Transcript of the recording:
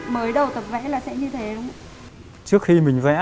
mới đầu tập vẽ là sẽ như thế đúng không ạ